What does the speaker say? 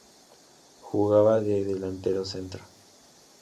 Jugaba de delantero centro.